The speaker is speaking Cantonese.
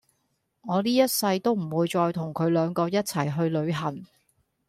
我哩一世都唔會再同佢兩個一齊去旅行